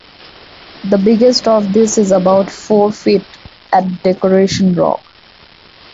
The biggest of these is about four feet at Decoration Rock.